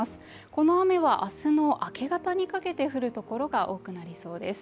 この雨は明日の明け方にかけて降るところが多くなりそうです。